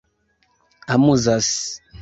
amuzas